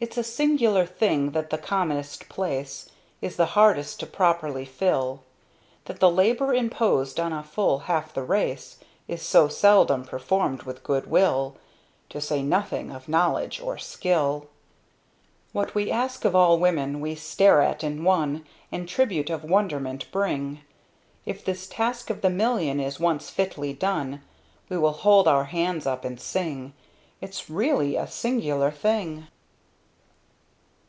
It's a singular thing that the commonest place Is the hardest to properly fill; That the labor imposed on a full half the race Is so seldom performed with good will To say nothing of knowledge or skill! What we ask of all women, we stare at in one, And tribute of wonderment bring; If this task of the million is once fitly done We all hold our hands up and sing! It's really a singular thing!